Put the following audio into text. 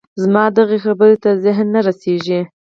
زما دغه خبرې ته ذهن نه رسېږي